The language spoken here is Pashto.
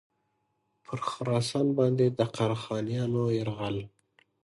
پر خراسان باندي د قره خانیانو یرغل.